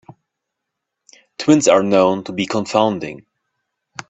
Twins are known to be confounding.